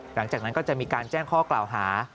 หลังจากนั้นก็จะมีการแจ้งข้อกล่าวหา